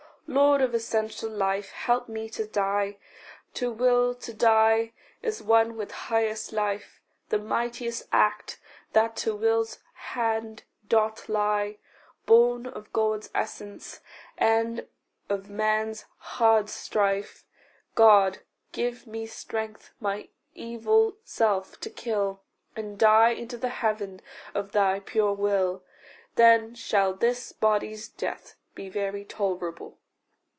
Lord of essential life, help me to die. To will to die is one with highest life, The mightiest act that to Will's hand doth lie Born of God's essence, and of man's hard strife: God, give me strength my evil self to kill, And die into the heaven of thy pure will. Then shall this body's death be very tolerable.